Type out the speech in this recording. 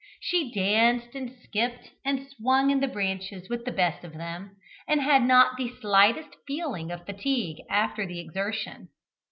She danced and skipped and swung in the branches with the best of them, and had not the slightest feeling of fatigue after the exertion.